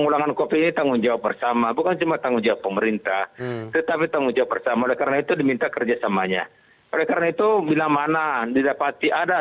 oleh karena itu bila mana didapati ada